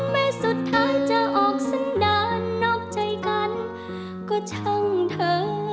สุดท้ายจะออกสักนานนอกใจกันก็ช่างเธอ